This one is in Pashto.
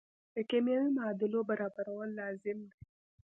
د کیمیاوي معادلو برابرول لازم دي.